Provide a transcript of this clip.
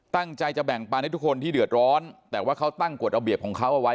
ตั้งใจจะแบ่งปันให้ทุกคนที่เดือดร้อนแต่ว่าเขาตั้งกฎระเบียบของเขาเอาไว้